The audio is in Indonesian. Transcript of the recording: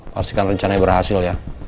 pastikan rencana berhasil ya